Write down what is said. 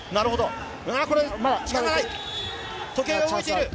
時計が動いている。